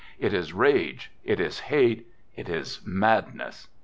It is rage, it is hate, it is madness.